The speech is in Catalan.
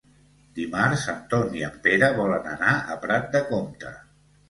Dimarts en Ton i en Pere volen anar a Prat de Comte.